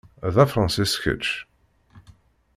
D Afransis, kečč?